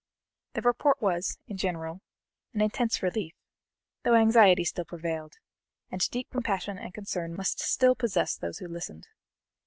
The report was, in general, an intense relief, though anxiety still prevailed, and deep compassion and concern must still possess those who listened.